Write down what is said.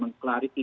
baik agama ya itu